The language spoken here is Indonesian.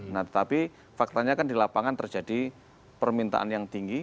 nah tetapi faktanya kan di lapangan terjadi permintaan yang tinggi